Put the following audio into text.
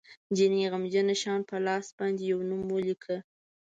جینۍ غمجنه شان په لاس باندې یو نوم ولیکه